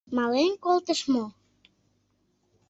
— Мален колтыш мо?